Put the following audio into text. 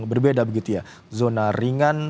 berbeda begitu ya zona ringan